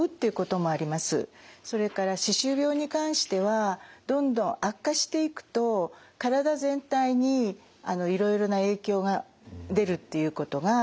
それから歯周病に関してはどんどん悪化していくと体全体にいろいろな影響が出るっていうことが分かってきています。